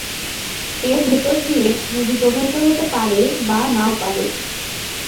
এর ভেতর দিয়ে নদী প্রবাহিত হতে পারে বা না-ও পারে।